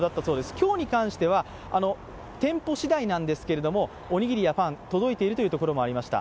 今日に関しては店舗しだいなんですけども、おにぎりやパンが届いているところもありました。